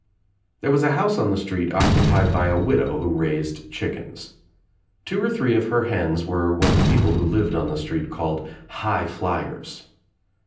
There was a house on the street occupied by a widow: who raised chickens. Two or three of her hens were what the people who lived on the street called 'high, flyers.'